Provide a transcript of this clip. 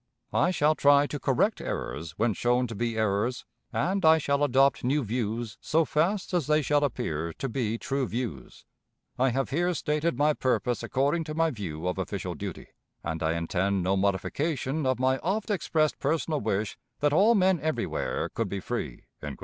I shall try to correct errors when shown to be errors; and I shall adopt new views so fast as they shall appear to be true views. I have here stated my purpose according to my view of official duty; and I intend no modification of my oft expressed personal wish that all men everywhere could be free."